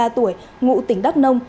ba mươi ba tuổi ngụ tỉnh đắk nông